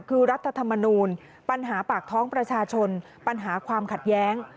คือรัฐธรรมนูลปัญหาปากท้องประชาชนปัญหาความขัดแย้ง